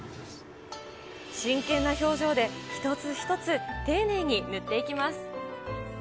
真剣な表情で一つ一つ丁寧に塗っていきます。